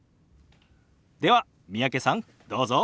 では三宅さんどうぞ。